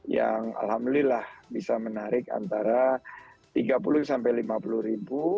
yang alhamdulillah bisa menarik antara tiga puluh sampai lima puluh ribu